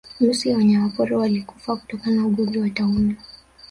Nusu ya wanyamapori walikufa kutokana na ugonjwa wa tauni